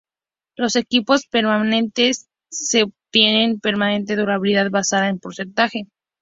Los equipos permanente que se obtienen perderán durabilidad basada un porcentaje.